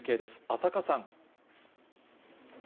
浅賀さん。